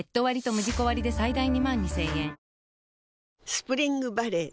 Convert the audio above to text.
スプリングバレー